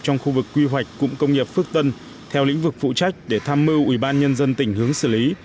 trong khu vực quy hoạch cụm công nghiệp phước tân theo lĩnh vực phụ trách để tham mưu ubnd tỉnh hướng xử lý